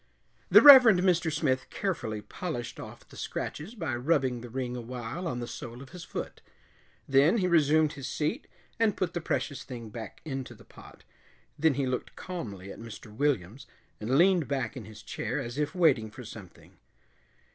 The Reverend Mr. Smith carefully polished off the scratches by rubbing the ring awhile on the sole of his foot. Then he resumed his seat and put the precious thing back into the pot. Then he looked calmly at Mr. Williams, and leaned back in his chair as if waiting for something.